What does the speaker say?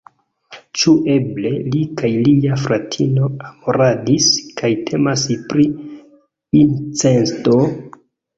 Ĉu eble li kaj lia fratino amoradis, kaj temas pri incesto?